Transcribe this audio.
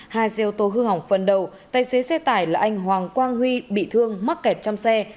hai xe ô tô hư hỏng phần đầu tài xế xe tải là anh hoàng quang huy bị thương mắc kẹt trong xe